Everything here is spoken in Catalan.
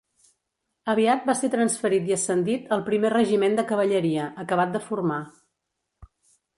Aviat va ser transferit i ascendit al Primer Regiment de Cavalleria, acabat de formar.